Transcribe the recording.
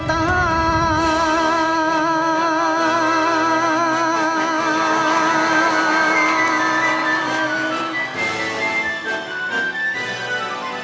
ทนบุรีตอนนี้ใจลูกแทบสิ้น